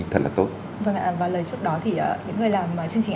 vâng ạ và lời chúc đó thì những người làm chương trình